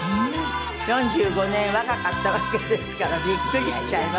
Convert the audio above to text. ４５年若かったわけですからびっくりしちゃいます。